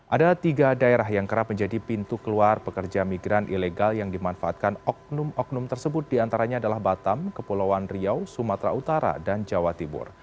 ada tiga daerah yang kerap menjadi pintu keluar pekerja migran ilegal yang dimanfaatkan oknum oknum tersebut diantaranya adalah batam kepulauan riau sumatera utara dan jawa timur